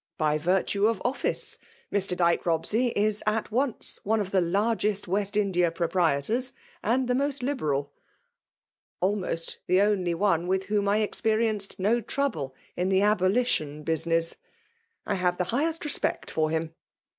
— ^By virtue of office. Mr Dyke Bobsey is at once one of the largest West India proprietors* and the most liberal; almost the only one widi whom I experienced no trouble in the aboli tion business : I have the highest respect for him.